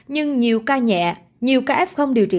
nhưng nhiều ca nhẹ nhiều ca f điều trị